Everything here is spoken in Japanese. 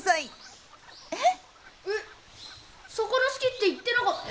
えっ魚好きって言ってなかった？